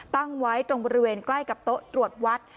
ตั้งไว้ตรงบริเวณใกล้กับโต๊ะตรวจวัด